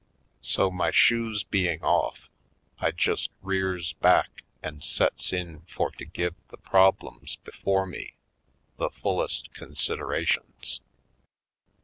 So, my shoes being off, I just rears back and sets in for to give the problems before me the fullest considerations.